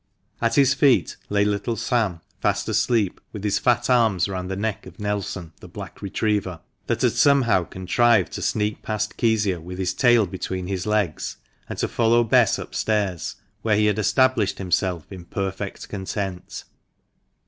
At his feet lay little Sam, fast asleep, with his fat arms round the neck of Nelson, the black retriever, which had somehow contrived to sneak past Kezia with his tail THE MANCHESTER MAN. 209 between his legs, and to follow Bess up stairs, where he had established himself in perfect content.